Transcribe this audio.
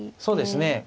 そうですね。